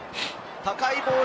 高いボール。